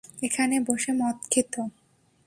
এখানে বসে মদ খেত?